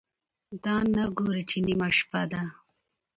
دا نه ګوري چې نیمه شپه ده،